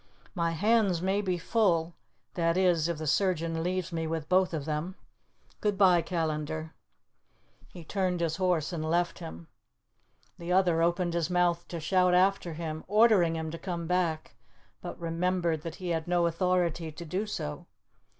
My hands may be full that is, if the surgeon leaves me with both of them. Good bye, Callandar." He turned his horse and left him. The other opened his mouth to shout after him, ordering him to come back, but remembered that he had no authority to do so.